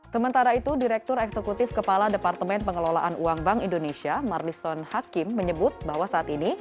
sementara itu direktur eksekutif kepala departemen pengelolaan uang bank indonesia marlison hakim menyebut bahwa saat ini